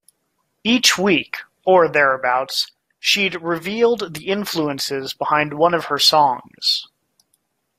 Each week, or thereabouts, she'd revealed the influences behind one of her songs.